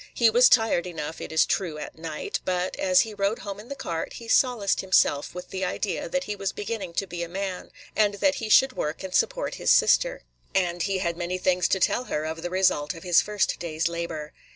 He was tired enough, it is true, at night; but, as he rode home in the cart, he solaced himself with the idea that he was beginning to be a man, and that he should work and support his sister, – and he had many things to tell her of the result of his first day's labor.